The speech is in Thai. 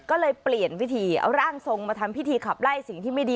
ก็เลยเปลี่ยนวิธีเอาร่างทรงมาทำพิธีขับไล่สิ่งที่ไม่ดี